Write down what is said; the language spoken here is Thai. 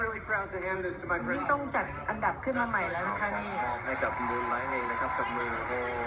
นี่ต้องจัดอันดับขึ้นมาใหม่แล้วนะคะนี่